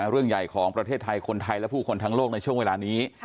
เรื่องใหญ่ของประเทศไทยคนไทยและผู้คนทั้งโลกในช่วงเวลานี้